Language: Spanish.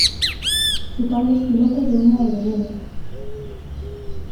Su padre es piloto de una aerolínea.